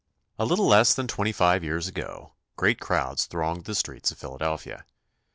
A little less than twenty five years ago great crowds thronged the streets of Philadelphia.